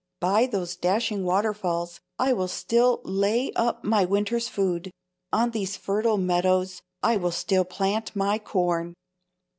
By those dashing waterfalls I will still lay up my winter's food; on these fertile meadows I will still plant my corn.